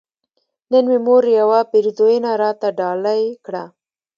نن مې مور يوه پيرزوينه راته ډالۍ کړه